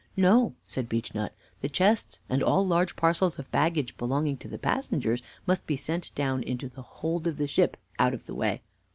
"No," said Beechnut; "the chests, and all large parcels of baggage belonging to the passengers, must be sent down into the hold of the ship out of the way.